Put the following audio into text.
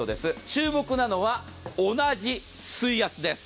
注目なのは同じ水圧です。